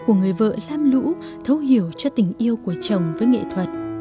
của người vợ lam lũ thấu hiểu cho tình yêu của chồng với nghệ thuật